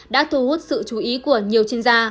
đã thu hút sự chú ý của nhiều chuyên gia